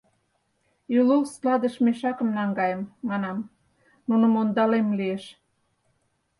— Ӱлыл складыш мешакым наҥгаем, — манам, нуным ондалем лиеш.